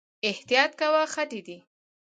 احتياط کوه، خټې دي